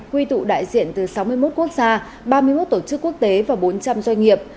quy tụ đại diện từ sáu mươi một quốc gia ba mươi một tổ chức quốc tế và bốn trăm linh doanh nghiệp